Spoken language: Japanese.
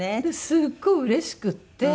すごいうれしくって。